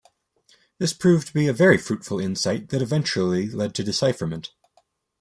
This proved to be a very fruitful insight that eventually led to decipherment.